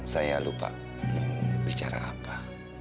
saya lupa mau bicara apa